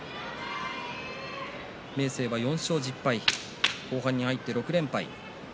明生は４勝１０敗後半に入って６連敗。